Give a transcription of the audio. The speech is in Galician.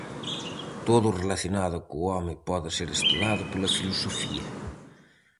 Todo o relacionado co home pode ser estudado pola filosofía.